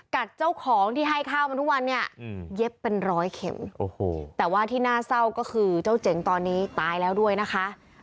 กัดเจ้าของที่ให้ข้าวมันทุกวันเนี่ยเย็บเป็นร้อยเข็มโอ้โหแต่ว่าที่น่าเศร้าก็คือเจ้าเจ๋งตอนนี้ตายแล้วด้วยนะคะ